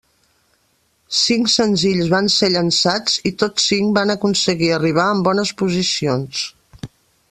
Cinc senzills van ser llançats i tots cinc van aconseguir arribar en bones posicions.